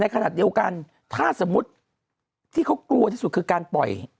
ขนาดเดียวกันถ้าสมมุติที่เขากลัวที่สุดคือการปล่อย